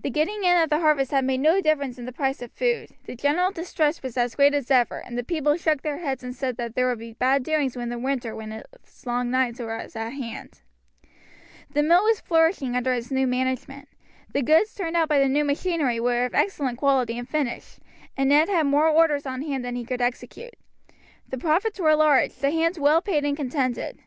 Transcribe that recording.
The getting in of the harvest had made no difference in the price of food, the general distress was as great as ever, and the people shook their heads and said that there would be bad doings when the winter with its long nights was at hand. The mill was flourishing under its new management. The goods turned out by the new machinery were of excellent quality and finish, and Ned had more orders on hand than he could execute. The profits were large, the hands well paid and contented.